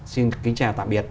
xin kính chào tạm biệt